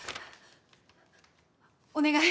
お願い。